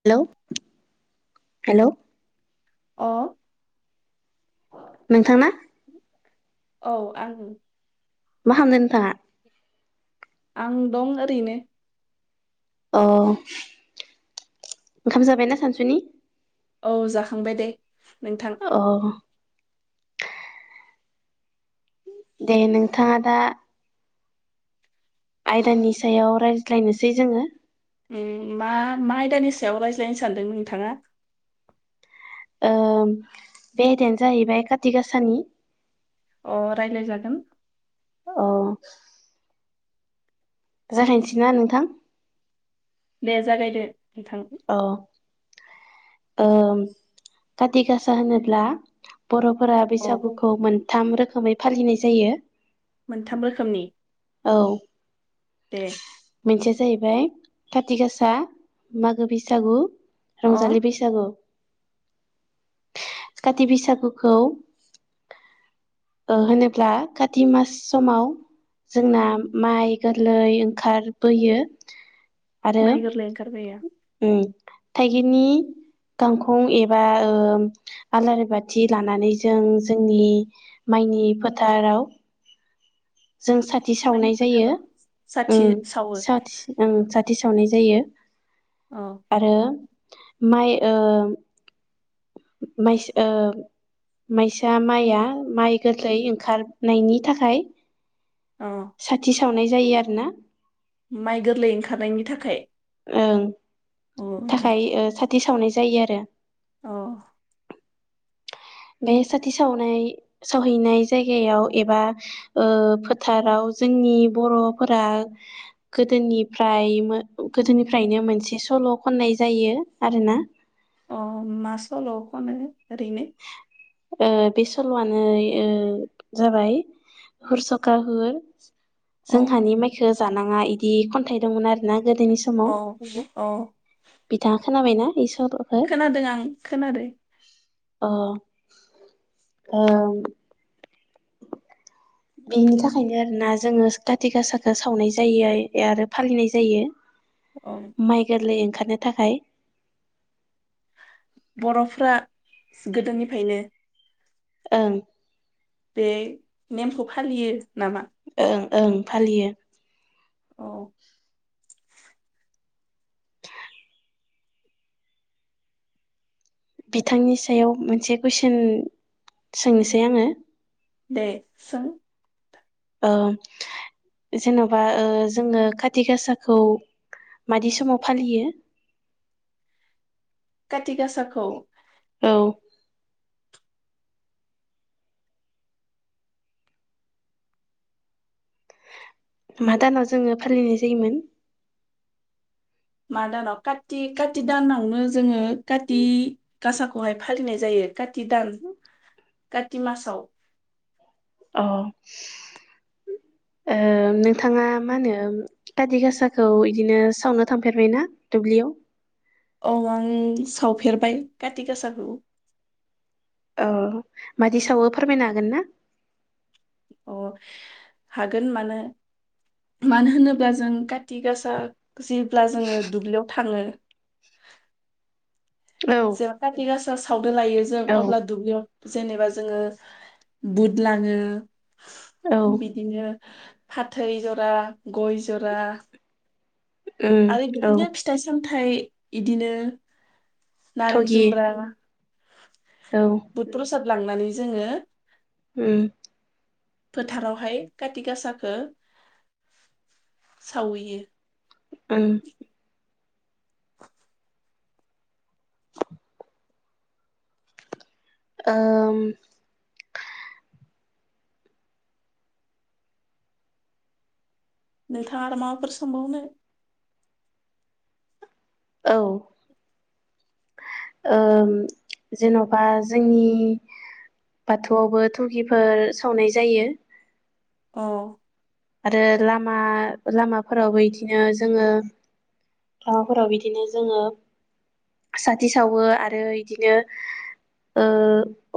Hello hello. अ नोंथांना औ आं। मा खामदों नोंथाङा? आं दं ओरैनो। अ ओंखाम जाबायना सानसुनि? औ जाखांबाय दे। नोंथां अ दे नोंथाङा दा आयदानि सायाव राय ज्लायनोसै जोङो। उम मा मा आयदानि सायाव रायज्लायनो सानदों नोंथाङा? ओम बे आयदायानो जाहैबाय काति गासानि अ रायलाय जागोन। अ जागायसैना नोंथां? दे जागायदो। नोंथां अ ओम काति गासा होनोब्ला बर'फोरा अ बैसागुखौ मोनथाम रोखो खोमै फालिनाय जायो। मोनथाम रोखोमनि औ दे मोनसेया जाहैबाय खाति गासा मागो बैसागु अ रंजालि बैसागु काति बैसागुखौ ओ होनोब्ला काति मास समाव जोंना माइ गोरलै ओंखारबोयो आरो माइ गोरलै ओंखारबोयो उम थाइगिरनि गांखं एबा ओ आलारि बाथि लानानै जों जोंनि माइनि फोथाराव जों साथि माइनि सावनाय जायो फोथाराव साथि उम सावो साथि उम सा थि सावनाय जायो अ आरो माइ ओम माइस ओम माइसा माइआ माइ गोथै ओंखारनायनि थाखाय औ साथि सावनाय जायो आरोना माइ गोरलै ओंखारनायनि थाखाय ओं अ थाखाय ओ सा थि सावनाय जायो आरो औ बे साथि सावनाय सावहैनाय जायगायाव एबा ओ फोथाराव जोंनि बर'फोरा गोदोनिफ्राय गोदोनिफ्रायनो मोनसे सल खननाय जायो आरोना अ मा सल' खनो ओरैनो ओ बे सल'आनो ओ जाबाय हुर सखा हुर अ जोंहानि माइखो जानाङा इदि खन्थाइ दंमोन आरो ना औ औ बिथाङा खोनाबायना इ स खोनादों आं खोनादों अ ओ बेनि थाखायनो आरो ना जोङो खाति गासाखौ सावनाय जायो आरो फालिनाय जायो अ माइ गोरलै खारनो थाखाय बर'फ्रा गोदोनिफ्रायनो ओं बे नेमखौ फालियो नामा? ओं ओं फालियो औ बिथांनि सायाव मोनसे कुइसन सोंनोसै आङो दे सों ओ जेनबा ओ जोङो खाति गासाखौ मादि समाव फालियो? काथि गासाखौ औ। मा दानाव जोङो फालिनाय जायोमोन? मा दानाव कति कति दानावनो जोङो काति गासाखौहाय फालिनाय जायो। काति दान। काति मासाव। अ ओ नोंथाङा मा होनो काति गासाखौ इदिनो सावनो थांफेरबायना? दुब्लियाव। औ आं सावफेरबाय काति गासाखौ। औ मादि सावो फोरमायनो हागोन ना। अ हागोन, मानो मानो होनोब्ला जों कति गासा जेब्ला जोङो दुब्लियाव थाङो। औ जों काति गास खो साव। बोलायो जों औ अब्ला दुब्लियाव। जेनेबा जोङो बुद लाङो। [unintelligible] औ बिदिनो। फाथै जरा गय जरा। उम आरो औ बिदिनो फिथाइ सामथायाइ। इदिनो। नारें थगि जुम्रा औ बुत प्रसाद लांनानै जोङो। उम। फोथारावहाय काति गासाखो [inaudible] सावहैयो। उम। ओम। नोंथाङा आरो माबाफोर सोंबावनो? औ ओ जेनबा जोंनि बाथौआवबो थुगिफोर सावनाय जायो। औ। आरो लामा लामाफोरावबो इदिनो जोङो, लामाफोराव इदिनो जोङो साथि सावो आरो इदिनो, ओ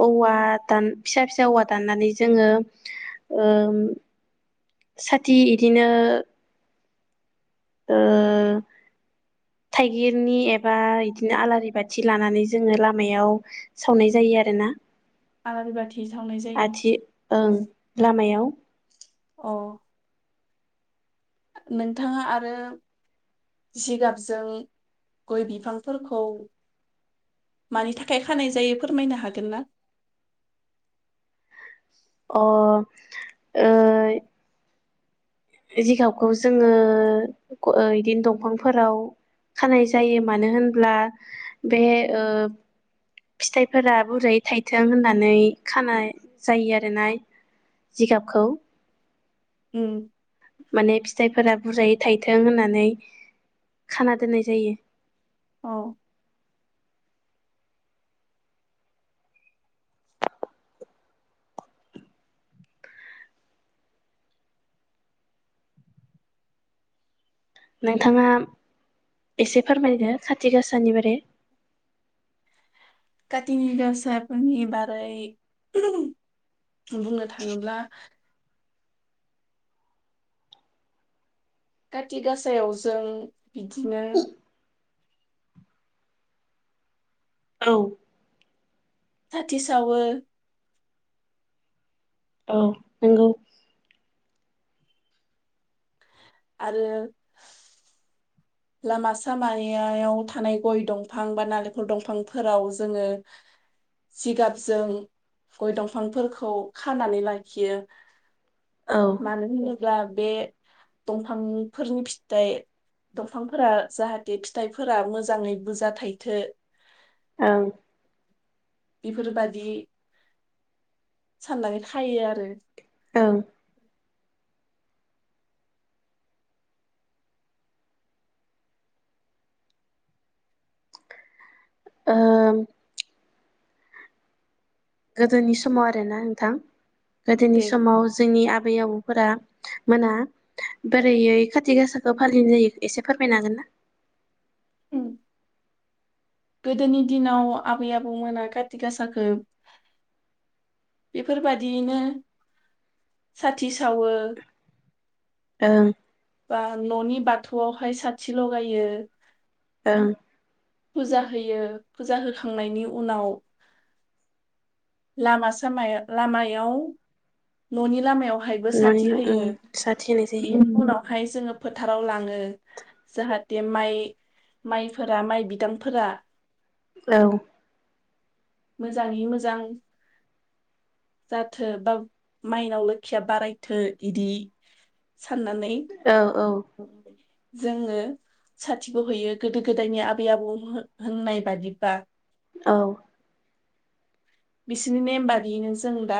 औवा दान- फिसा फिसा औवा दाननानै जोङो। साथि इदिनो ओ, थाइगिरनि एबा इदिनो आलारि बाथि लानानै जोङो लामायाव सावनाय जायो आरोना। आलारि बाथि सावनाय [inaudible] जायो आथि ओं लामायाव। अ। नोंथाङा आरो, जिगाबजों, गय बिफांफोरखौ, मानि थाखाय खानाय जायो फोरमायनो हागोन ना? अ, ओ। जिगा खौ जोङो। नो दंफांफोराव खानाय जायो मानो होनब्ला बे ओ फिथाइफोरा बुरायै थाइथों होननानै खानाय जायो आरोना जिगाबखौ। उम। माने फिथाइफोरा बुरजायै थायथों होननानै, खाना दोननाय जायो। औ। नोंथाङा एसे फोरमायदो खाथि गासानि बारे। काथिनि गासाफोरनि बारै बुंनो थाङोब्ला काति गासायाव जों बिदिनो औ साथि सावो औ नंगौ। आरो लामा सामायायाव थानाय गय दंफां बा नालेंखर दंफांफोराव जोंङो जिगाबजों गय दंफांफोरखौ खानानै लाखियो। औ मानो होनो ब्ला बे दंफांनिफोरनि फिथाइ दंफांफोरा जाहाथे फिथाइफोरा मोजाङै बुरजा थाइथो ओं बिफोर बायदि साननानै खायो आरो ओं ओ गोदोनि समाव आरोना नोंथां? गोदोनि दे समाव जोंनि आ बै आबौफोरा मोना बोरैैयै खाथि गासाखौ फालिनाय जायो एसे फोरमायनो हागोन ना? उम्म गोदोनि दिनाव आबै आबौमोना काथि गासाखो बेफोरबादियैनो साथि सावो ओं बा न'नि बाथौआवहाय साथि लगायो। ओं फुजा होयो फुजा होखांनायनि उनाव लामा सामाया लामायाव न'नि लामायाव हायबो न'नि साथि ओं होयो साथि होनाय जायो बेनि उनावहाय जोंङो फोथाराव लाङो जाहाथे माइ माइफोरा माइ बि दांफोरा औ मोजाङै मोजां जाथो बा माइनाव लोखिया बारायथो इदि साननानै औ औ जोंङो साथिखौ हैयो गोदो गोदायनि आबै आबौ हो-होननाय बादिबा। औ बिसिनि नेम बादियैनो जों दा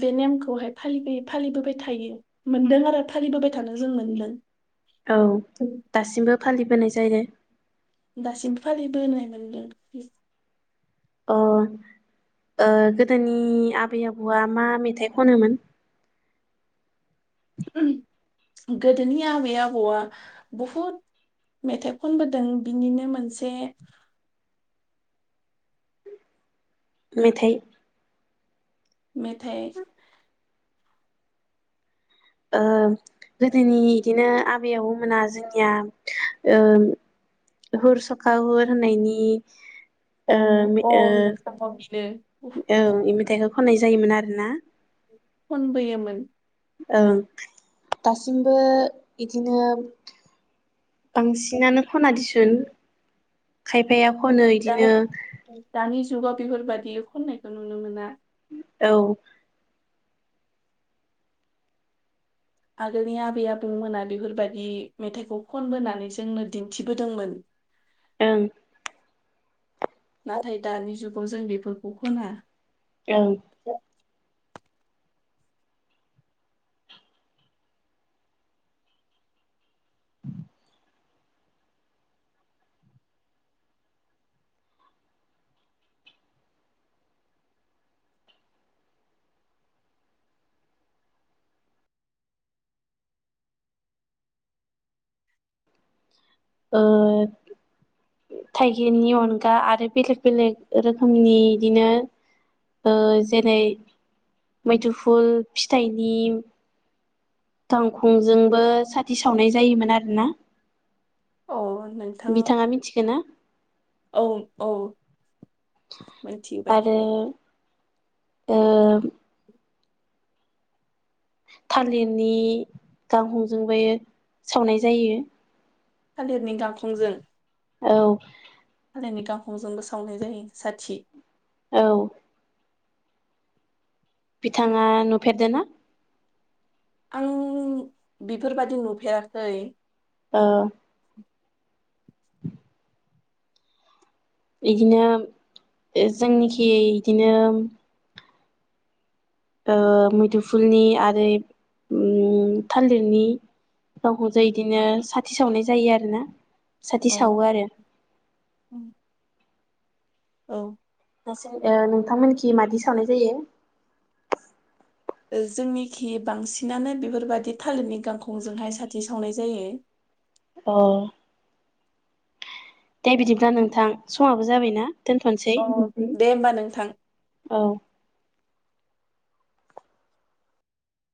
बे नेमखौहाय फालिबोयो फालिबोबाय थायो मोनदों आरो फालिबोबाय थानो जों मोनदों। औ दासिमबो फालिबोनाय जायो दासिमबो फालिबोनाय मोनदों अ ओ गोदोनि आबै आबौआ मा मेथाइ खनोमोन? गोदोनि आबै आबौआ बहुद मेथाइ खनबोदों बिनिनो मोनसे मेथाइ मेथाइ ओ गोदोनि इदिनो आबै आबौ मोना जोंनिया ओ हुर सखा हुर होननायनि अ ओ अ ओ ओं [unintelligible] इ मेथाइखौ खननाय जायोमोन आरोना खनबोयोमोन। ओं दासिमबो इदिनो बांसिनानो खना दिसुन खायफाया खनो दा इदिनो दानि जुगाव बेफोरबायदि खननायखौ नुनो मोना। औ आगोलनि आबै आबौमोना बेफोरबादि मेथाइखौ खनबोनानै जोंनो दिन्थिबोदोंमोन ओं नाथाय दानि जुगाव जों बेफोरखौ खोना औ ओ थाइगिरनि अनगा आरो बेलेग बेलेग रोखोमनि इदिनो ओ जेरै मैदुफुल फिथाइनि गांखंजोंबो साथि सावनाय जायोमोन आरोना अ नोंथाङा बिथाङा मिथिगोना? औ औ मोनथिबाय आरो ओ थालिरनि गांखंजोंबो सावनाय जायो। थालिरनि गांखंजों औ गांफंजोंबो सावनाय जायो साथि। औ बिथाङा नुफेरदों ना? आं बेफोरबायदि नुफेराखै। औ [inaudible] बिदिनो जोंनिखि बिदिनो ओ मैदुफुलनि आरो ओम थालिरनि गावखौ ज बिदिनो साथि सावनाय जायो आरोना साथि अ सावो आरो औ नोंसोर नोंथांमोनखि मादि सावनाय जायो? जोंनिखि बांसिनानो बेफोरबादि थालिरनि गांखंजोंहाय साथि सावनाय जायो? औ दे बिदिब्ला नोंथां समाबो जाबाय ना। अ दे होमबा नोंथां। औ